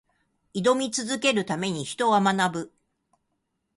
挑み続けるために、人は学ぶ。